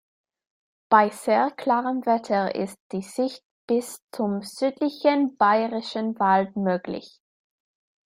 Bei sehr klarem Wetter ist die Sicht bis zum südlichen Bayerischen Wald möglich.